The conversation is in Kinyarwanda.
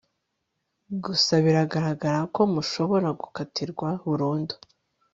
gusa eee biragaragara ko mushobora gukatirwa burundu